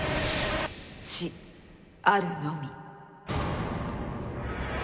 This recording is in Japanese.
死あるのみ。